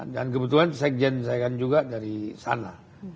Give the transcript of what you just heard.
dan kebetulan sekjen saya kan juga dari sana